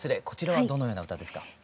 こちらはどのような歌ですか？